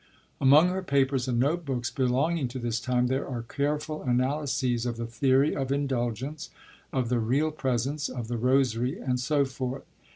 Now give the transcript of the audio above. Among her papers and note books belonging to this time, there are careful analyses of the theory of Indulgence, of the Real Presence, of the Rosary, and so forth.